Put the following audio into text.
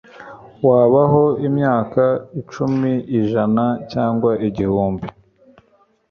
wabaho imyaka icumi, ijana cyangwa igihumbi